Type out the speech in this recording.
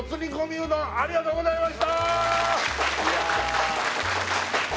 うどんありがとうございます